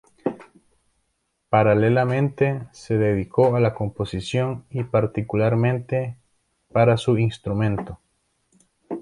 Paralelamente, se dedicó a la composición, y particularmente para su instrumento.